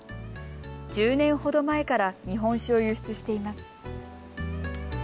１０年ほど前から日本酒を輸出しています。